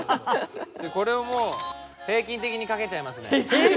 でこれをもう平均的にかけちゃいますね。